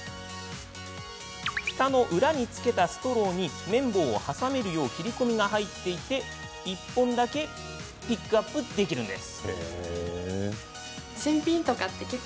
ふたの裏に付けたストローに綿棒を挟めるよう切り込みが入っていて１本だけピックアップできるんです。